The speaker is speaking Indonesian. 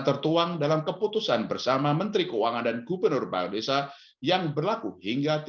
akan keputusan bersama menteri keuangan dan gubernur bangun desa yang berlangu hingga